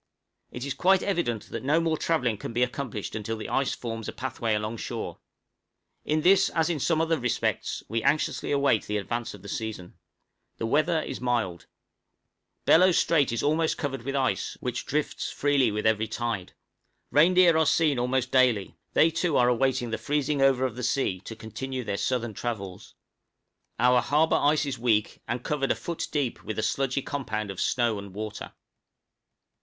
It is quite evident that no more travelling can be accomplished until the ice forms a pathway alongshore; in this, as in some other respects, we anxiously await the advance of the season. The weather is mild; Bellot Strait is almost covered with ice, which drifts freely with every tide. Reindeer are seen almost daily; they too are awaiting the freezing over of the sea to continue their southern travels. Our harbor ice is weak and covered a foot deep with a sludgy compound of snow and water.